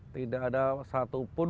tidak ada satu pun